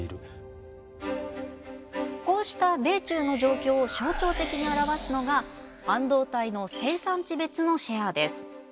こうした米中の状況を象徴的に表すのが半導体の生産地別のシェアです。